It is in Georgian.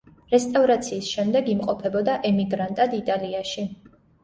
რესტავრაციის შემდეგ იმყოფებოდა ემიგრანტად იტალიაში.